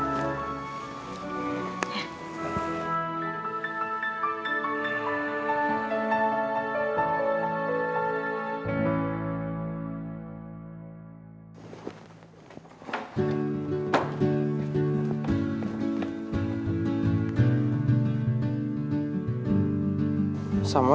ternyata aku juga